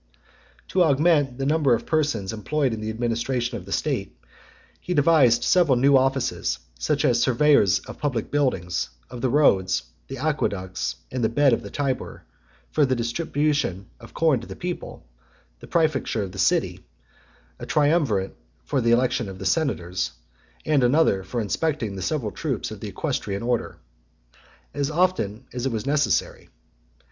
XXXVII. To augment the number of persons employed in the administration of the state, he devised several new offices; such as surveyors of the public buildings, of the roads, the aqueducts, and the bed of the Tiber; for the distribution of corn to the people; the praefecture of the city; a triumvirate for the election of the senators; and another for inspecting the several troops of the equestrian order, as often as it was necessary.